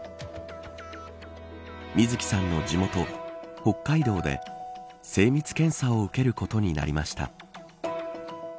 みずきさんの地元、北海道で精密検査を受けることになりました。